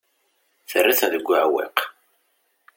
Terra-ten deg uɛewwiq.